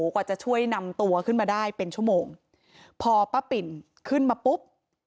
กว่าจะช่วยนำตัวขึ้นมาได้เป็นชั่วโมงพอป้าปิ่นขึ้นมาปุ๊บ